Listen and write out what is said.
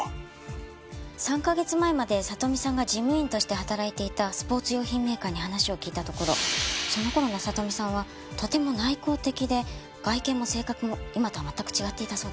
３カ月前まで里美さんが事務員として働いていたスポーツ用品メーカーに話を聞いたところその頃の里美さんはとても内向的で外見も性格も今とは全く違っていたそうです。